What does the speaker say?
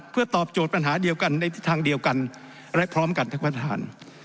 เพื่อตอบโจทย์ปัญหาเดียวกันในทางเดียวกันและพร้อมกันท่านประธาน